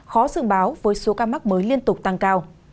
khó dự báo với số ca mắc mới liên tục tăng cao